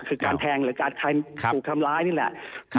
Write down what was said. คือการแทงหรือการใครถูกทำร้ายนี่แหละ